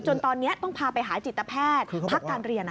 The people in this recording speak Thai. จนตอนนี้ต้องพาไปหาจิตแพทย์พักการเรียน